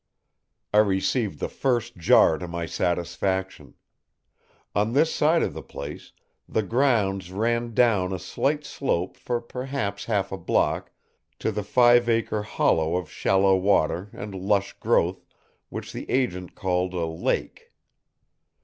I received the first jar to my satisfaction. On this side of the place, the grounds ran down a slight slope for perhaps half a block to the five acre hollow of shallow water and lush growth which the agent called a lake.